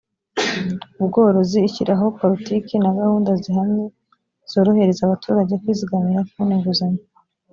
ubworozi ishyiraho politiki na gahunda zihamye zorohereza abaturage kwizigamira kubona inguzanyo